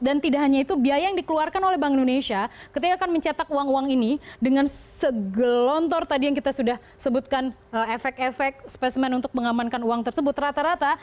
dan tidak hanya itu biaya yang dikeluarkan oleh bank indonesia ketika akan mencetak uang uang ini dengan segelontor tadi yang kita sudah sebutkan efek efek spesimen untuk mengamankan uang tersebut rata rata